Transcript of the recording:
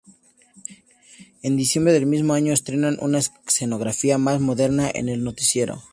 En diciembre del mismo año estrenan una escenografía más moderna en el noticiero.